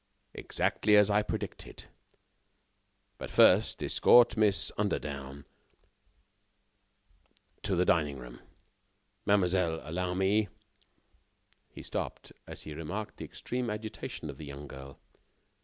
"Exactly as I predicted. But, first escort Miss Underdown to the dining room. Mademoiselle, allow me " He stopped, as he remarked the extreme agitation of the young girl.